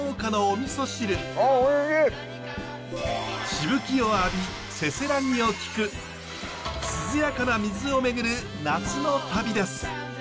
しぶきを浴びせせらぎを聞く涼やかな水をめぐる夏の旅です。